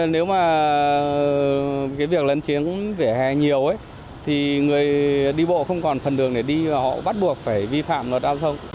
nếu người đi bộ lấn chiếm vỉa hè nhiều thì người đi bộ không còn phần đường để đi và họ bắt buộc phải vi phạm luật an sông